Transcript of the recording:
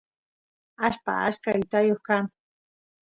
atashpa achka itayoq kan